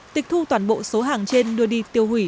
tịch thu toàn bộ số hàng trên đưa đi tiêu hủy